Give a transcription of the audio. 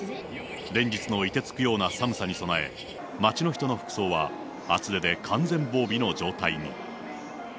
連日の凍てつくような寒さに備え、街の人の服装は厚手で完全防備の状態に。